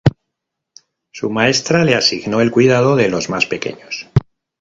Su maestra le asignó el cuidado de los más pequeños.